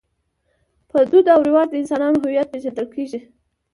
په دود او رواج د انسانانو هویت پېژندل کېږي.